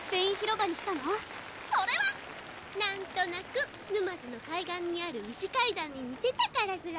何となく沼津の海岸にある石階段に似てたからずら。